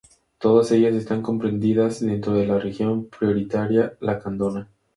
Todas ellas están comprendidas dentro de la región prioritaria Lacandona.